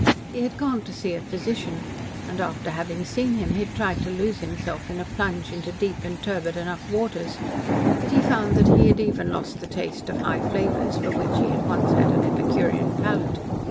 He had gone to see a physician, and, after having seen him, he had tried to lose himself in a plunge into deep and turbid enough waters; but he found that he had even lost the taste of high flavours, for which he had once had an epicurean palate.